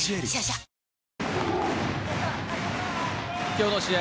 今日の試合